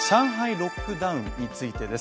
ロックダウンについてです。